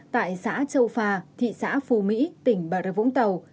tại xã châu phà thị xã phù mỹ tỉnh bà rịa vũng tàu